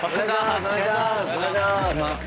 お願いします。